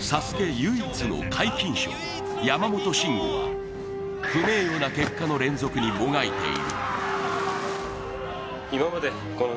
唯一の皆勤賞山本進悟は不名誉な結果の連続にもがいている。